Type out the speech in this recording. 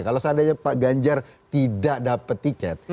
kalau seandainya pak ganjar tidak dapat tiket